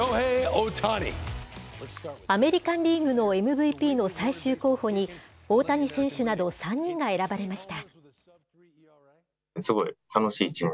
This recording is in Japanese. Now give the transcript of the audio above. アメリカンリーグのＭＶＰの最終候補に、大谷選手など３人が選ばれました。